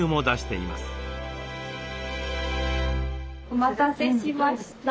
お待たせしました。